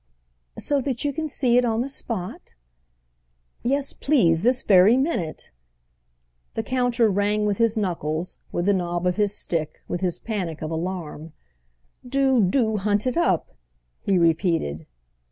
"So that you can see it on the spot?" "Yes, please—this very minute." The counter rang with his knuckles, with the knob of his stick, with his panic of alarm. "Do, do hunt it up!" he repeated.